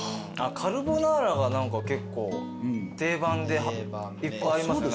カルボナーラが結構定番でいっぱいありますね。